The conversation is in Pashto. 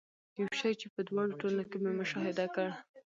یو شی چې په دواړو ټولنو کې مې مشاهده کړ.